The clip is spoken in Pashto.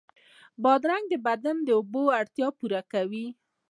بادرنګ د بدن د اوبو اړتیا پوره کوي.